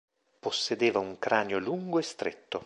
Possedeva un cranio lungo e stretto.